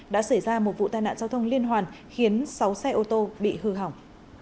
đã xảy ra một vụ tai nạn giao thông liên hoàn khiến sáu xe ô tô bị hư hỏng